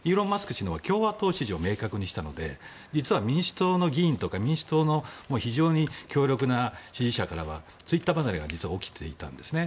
氏は共和党支持を明確にしたので実は民主党の議員とか民主党の非常に強力な支持者からはツイッター離れが実は起きていたんですね。